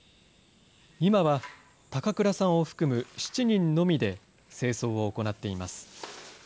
今は高倉さんを含む７人のみで清掃を行っています。